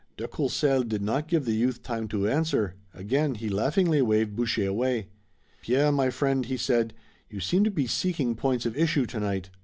De Courcelles did not give the youth time to answer. Again he laughingly waved Boucher away. "Pierre, my friend," he said, "you seem to be seeking points of issue tonight.